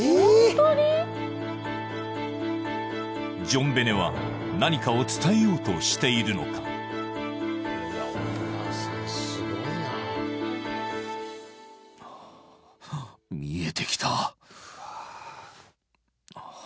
ジョンベネは何かを伝えようとしているのかオリバーが見たのは